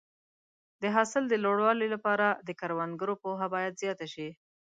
د حاصل د لوړوالي لپاره د کروندګرو پوهه باید زیاته شي.